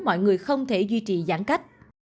mọi người không thể duy trì giãn cách